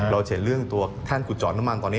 เราจะเห็นเรื่องตัวแท่นขุดจอดน้ำมันตอนนี้